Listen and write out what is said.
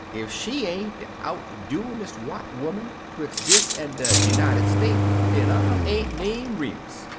ef she ain't de out doinist white 'oman 'twix' dis an' de Nunited State, den I 'm ain't name Remus.